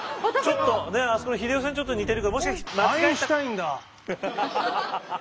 ちょっとねあそこの英世さんにちょっと似てるからもしかして。